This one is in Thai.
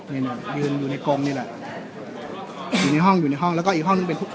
นี่ยืนอยู่ในกรงนี่แหละอยู่ในห้องอยู่ในห้องแล้วก็อีกห้องนึงเป็น